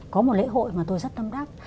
có một lễ hội mà tôi rất tâm đắc